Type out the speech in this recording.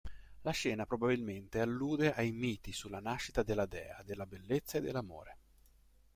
La scena probabilmente allude ai miti sulla nascita della dea della bellezza e dell'amore.